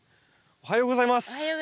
おはようございます。